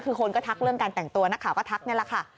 คือคนก็ทักเรื่องการแต่งตัวนักข่าวก็ทักนี่แหละค่ะ